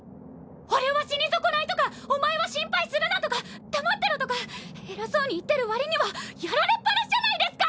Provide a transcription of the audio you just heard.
俺は死に損ないとかお前は心配するなとか黙ってろとか偉そうに言ってる割にはやられっぱなしじゃないですか！